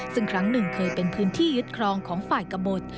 ซึ่งครั้งหนึ่งเคยเป็นพื้นที่ยึดครองของฝ่ายกระบด